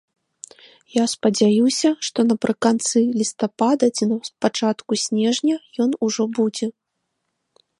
Я спадзяюся, што напрыканцы лістапада ці на пачатку снежня ён ужо будзе.